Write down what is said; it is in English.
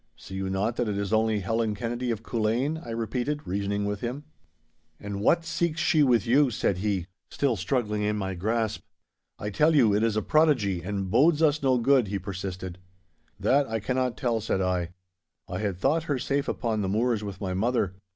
'See you not that it is only Helen Kennedy of Culzean?' I repeated, reasoning with him. 'And what seeks she with you?' said he, still struggling in my grasp. 'I tell you it is a prodigy, and bodes us no good,' he persisted. 'That I cannot tell,' said I. 'I had thought her safe upon the moors with my mother.